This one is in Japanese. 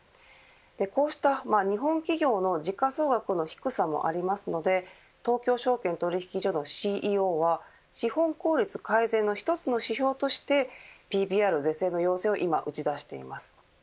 こうした日本企業の時価総額の低さもありますので東京証券取引所のＣＥＯは資本効率改善の一つの指標としてＰＢＲ是正の要請を今、打ち出しています。